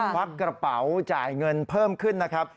วักกระเป๋าจ่ายเงินเพิ่มขึ้นนะครับ